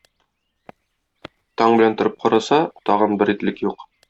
Таң белән торып караса, тагын бер итлек юк.